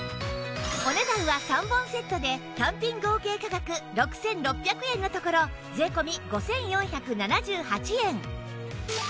お値段は３本セットで単品合計価格６６００円のところ税込５４７８円